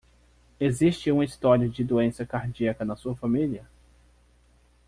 Existe uma história de doença cardíaca na sua família?